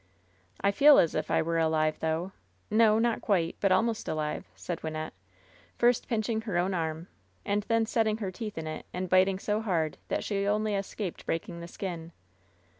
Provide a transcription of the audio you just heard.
"I feel as if I were alive, though. No, not quite ; but almost alive," said Wynnette, first pinching her own arm and then setting her teeth in it, and biting so hard that she only escaped breaking the skin.